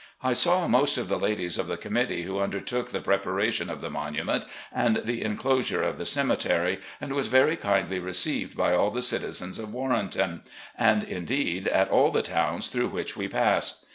I saw most of the ladies of the committee who undertook the preparation of the monument and the inclosure of the cemetery, and was very kindly received by all the citizens of Warrenton, and, indeed, at all the towns through which we passed.